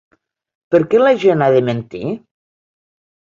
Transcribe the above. Per què la gent ha de mentir?